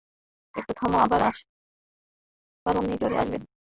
একটু থামে, আবাব আমনি জোরে আসে, বৃষ্টির ছাটে চারিধার ধোঁয়া ধোঁয়া।